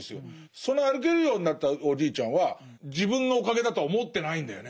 その歩けるようになったおじいちゃんは自分のおかげだとは思ってないんだよね。